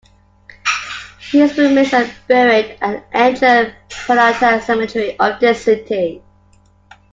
His remains are buried at Angela Peralta Cemetery of this city.